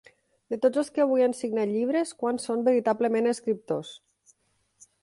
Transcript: De tots els que avui han signat llibres, quants són veritablement escriptors?